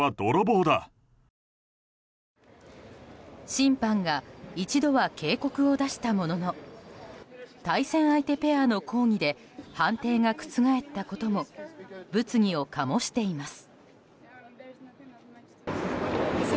審判が一度は警告を出したものの対戦相手ペアの抗議で判定が覆ったことも物議を醸しています。